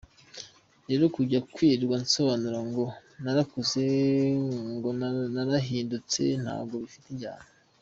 Rero kujya kwirirwa nsobanura ngo narakuze, ngo narahindutse, ntabwo bifite injyana.”